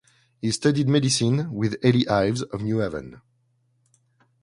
He studied medicine with Eli Ives of New Haven.